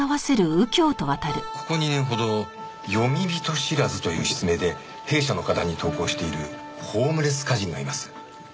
ここ２年ほど「詠み人知らず」という筆名で弊社の歌壇に投稿しているホームレス歌人がいます。